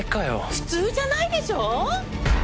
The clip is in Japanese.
普通じゃないでしょう？